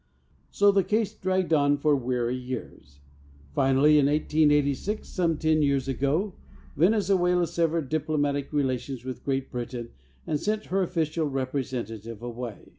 So the case dragged on for weary years. Finally, in 1886, some 10 years ago, Venezuela severed diplomatic relations with Great Britain and sent her otHcial rei)resentative away.